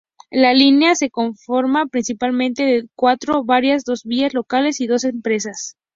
La línea se conforma principalmente de cuatro vías, dos vías locales y dos expresas.